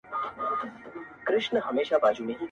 خو هغه نشته چى بللے شى د زړونو خلق